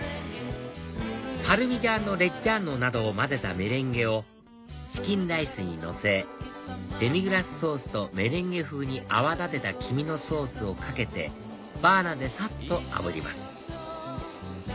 パルミジャーノレッジャーノなどを混ぜたメレンゲをチキンライスにのせデミグラスソースとメレンゲ風に泡立てた黄身のソースをかけてバーナーでさっとあぶります